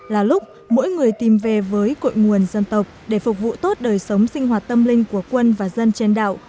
là lúc mỗi người tìm về với cội nguồn dân tộc để phục vụ tốt đời sống sinh hoạt tâm linh của quân và dân trên đảo